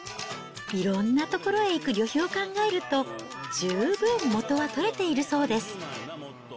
いろんな所へ行く旅費を考えると、十分元は取れているそうです。